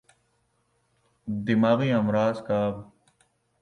دماغی امراض کا ب